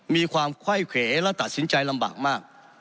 มีความไขว้เขวและตัดสินใจลำบากมาก